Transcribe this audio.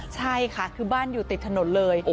ใช่ค่ะคือบ้านอยู่ติดถนนเลย